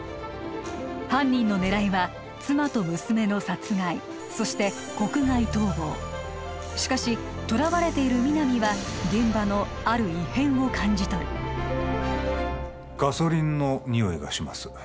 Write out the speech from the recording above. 犯人の狙いは妻と娘の殺害そして国外逃亡しかし捕らわれている皆実は現場のある異変を感じ取るガソリンのニオイがします